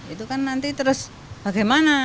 itu kan nanti terus bagaimana